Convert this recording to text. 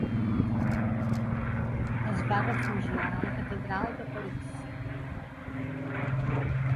Es va refugiar a la catedral de París.